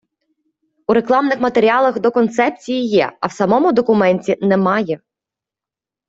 У рекламних матеріалах до Концепції є, а в самому документі немає.